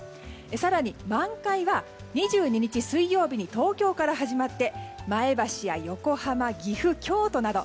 更に、満開は２２日水曜日に東京から始まって前橋や横浜、岐阜、京都など。